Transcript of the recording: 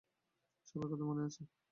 সবার কথাই মনে আছে।